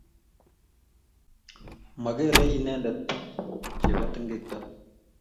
Mageerei Inendet bik che bo tengekto.